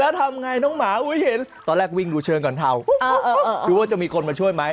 แล้วทำไงน้องหมาเห็นตอนแรกวิ่งดูเชิงก่อนเทาดูว่าจะมีคนมาช่วยไหม